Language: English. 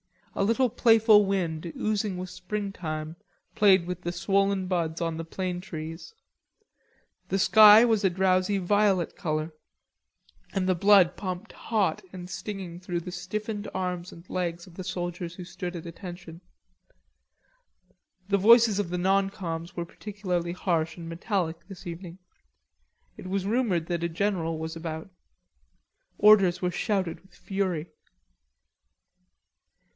A little playful wind, oozing with springtime, played with the swollen buds on the plane trees. The sky was a drowsy violet color, and the blood pumped hot and stinging through the stiffened arms and legs of the soldiers who stood at attention. The voices of the non coms were particularly harsh and metallic this evening. It was rumoured that a general was about. Orders were shouted with fury.